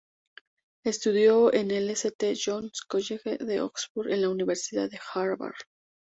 Estudió en el St John's College de Oxford y en la Universidad de Harvard.